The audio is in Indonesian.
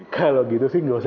kalau gitu sih